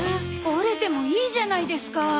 折れてもいいじゃないですか。